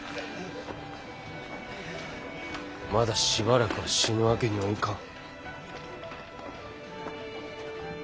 まだしばらくは死ぬわけにはいかん。